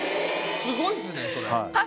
すごいっすねそれ。